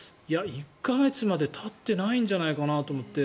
１か月までたってないんじゃないかなと思って。